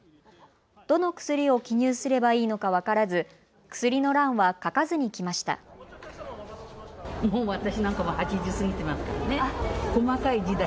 どの薬を記入すればいいのか分からず、薬の欄は書かずに来ました。